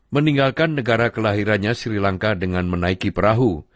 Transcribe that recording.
meninggalkan negara kelahirannya sri lanka dengan menaiki perahu